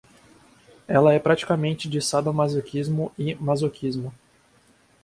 Ela é praticante de sadomasoquismo e masoquismo